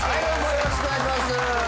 よろしくお願いいたしますあれ？